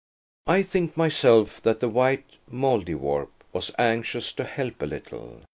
I think myself that the white Mouldiwarp was anxious to help a little.